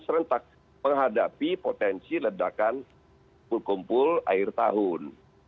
serentak menghadapi potensi ledakan kumpul kumpul akhir tahun